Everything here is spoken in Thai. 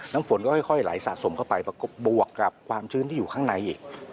น้ำฝนก็ค่อยไหลสะสมเข้าไปประกบวกกับความชื้นที่อยู่ข้างในอีก